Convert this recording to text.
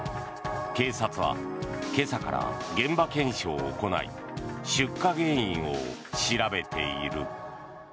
警察は、今朝から現場検証を行い出火原因を調べている。